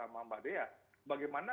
mbak dea bagaimana